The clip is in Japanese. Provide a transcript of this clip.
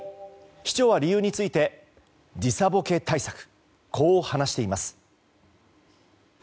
市長は理由について時差ぼけ対策と話しています。